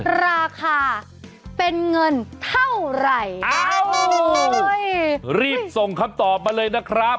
ราคาเป็นเงินเท่าไหร่อ้าวรีบส่งคำตอบมาเลยนะครับ